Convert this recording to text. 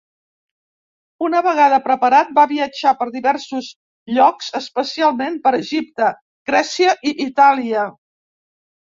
Una vegada preparat, va viatjar per diversos llocs especialment per Egipte, Grècia i Itàlia.